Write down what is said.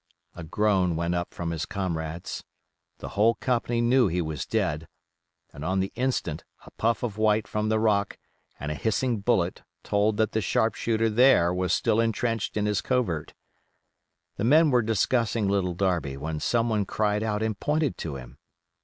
A groan went up from his comrades; the whole company knew he was dead, and on the instant a puff of white from the rock and a hissing bullet told that the sharp shooter there was still intrenched in his covert. The men were discussing Little Darby, when someone cried out and pointed to him.